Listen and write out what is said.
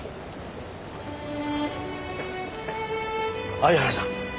相原さん。